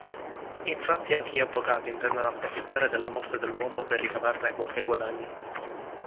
Infatti anche gli avvocati intendono approfittare della morte dell'uomo per ricavarne qualche guadagno.